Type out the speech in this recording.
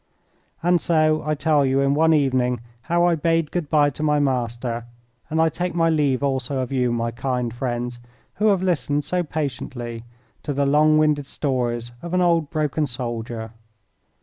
And so I tell you in one evening how I bade good bye to my master, and I take my leave also of you, my kind friends, who have listened so patiently to the long winded stories of an old broken soldier.